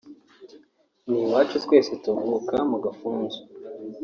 ni uwacu twese tuvuka mu Gafunzo